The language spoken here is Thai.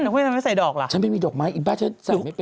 อุ๊ยวันนี้ลายดอกไม้เหมือนกัน